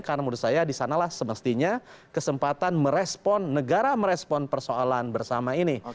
karena menurut saya disanalah semestinya kesempatan merespon negara merespon persoalan bersama ini